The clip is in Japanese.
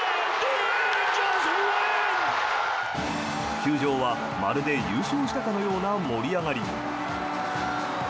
球場はまるで優勝したかのような盛り上がりに。